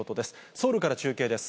ソウルから中継です。